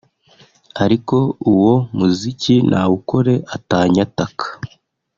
ariko uwo muziki nawukore atanyataka